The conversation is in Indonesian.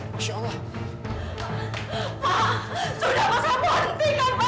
pak sudah masa mendingan